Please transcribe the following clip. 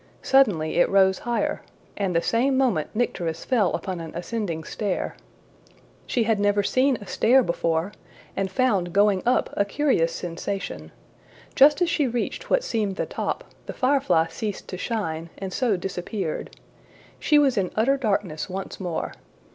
Suddenly it rose higher, and the same moment Nycteris fell upon an ascending stair. She had never seen a stair before, and found going up a curious sensation. Just as she reached what seemed the top, the firefly ceased to shine, and so disappeared. She was in utter darkness once more.